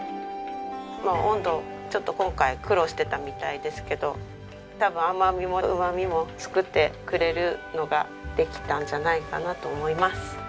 温度ちょっと今回苦労してたみたいですけど多分甘みもうまみも作ってくれるのができたんじゃないかなと思います。